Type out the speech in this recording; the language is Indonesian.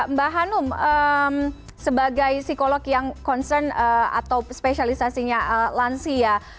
mbak hanum sebagai psikolog yang concern atau spesialisasinya lansia